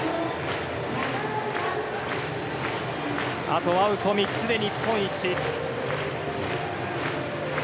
あとアウト３つで日本一。